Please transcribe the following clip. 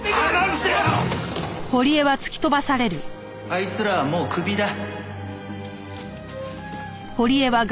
あいつらはもうクビだ。